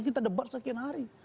kita debat sekian hari